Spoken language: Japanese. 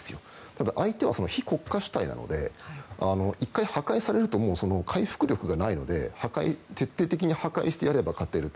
ただ、相手は非国家主体なので１回破壊されると回復力がないので徹底的に破壊してやれば勝てる。